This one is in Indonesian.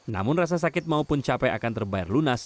namun rasa sakit maupun capek akan terbayar lunas